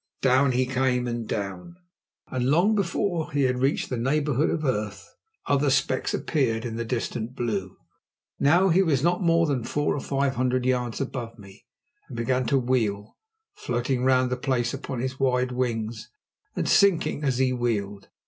Down he came and down, and long before he had reached the neighbourhood of earth other specks appeared in the distant blue. Now he was not more than four or five hundred yards above me, and began to wheel, floating round the place upon his wide wings, and sinking as he wheeled.